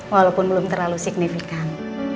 walaupun belum terlalu signifikan